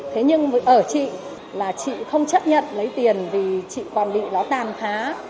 thế nhưng ở chị là chị không chấp nhận lấy tiền vì chị còn bị nó tàn phá